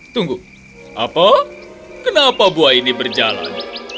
tunggu apa kenapa buah ini berjalan